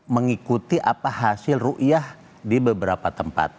mengikuti apa hasil ruia di beberapa tempat